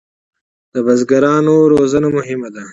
د بزګرانو روزنه مهمه ده